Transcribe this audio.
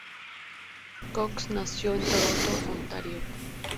Cox nació en Toronto, Ontario.